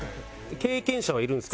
経験者はいるんですか？